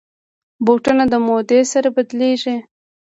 بوټونه د مودې سره بدلېږي.